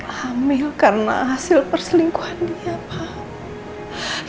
hamil karena hasil perselingkuhannya pak